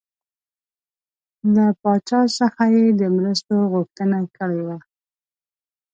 له پاچا څخه یې د مرستو غوښتنه کړې وه.